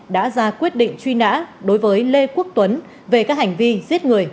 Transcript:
đã ra quyết định truy nã đối với lê quốc tuấn về các hành vi giết người